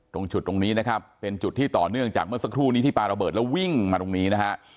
ตรงจุดตรงนี้นะครับเป็นจุดที่ต่อเนื่องจากเมื่อสักครู่นี้ที่ปลาระเบิดแล้ววิ่งมาตรงนี้นะฮะ